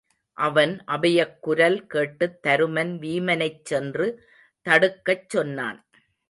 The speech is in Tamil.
அவன் அபயக்குரல் கேட்டுத் தருமன் வீமனைச் சென்று தடுக்கச் சொன்னான்.